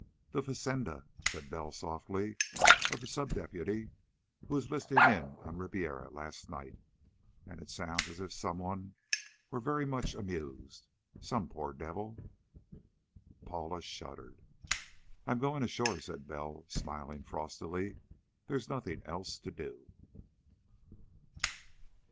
"The fazenda," said Bell softly, "of the sub deputy who was listening in on Ribiera last night. And it sounds as if someone were very much amused. Some poor devil...." Paula shuddered. "I'm going ashore," said Bell, smiling frostily. "There's nothing else to do."